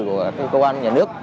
của các cơ quan nhà nước